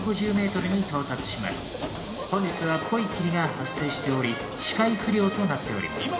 本日は濃い霧が発生しており視界不良となっております。